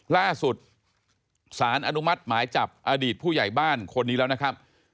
ล่าสุดสารอนุมัติหมายจับอดีตผู้ใหญ่บ้านคนนี้แล้วนะครับ